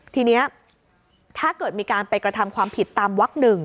ทีนี้ถ้าเกิดมีการไปกระทำความผิดตามวัก๑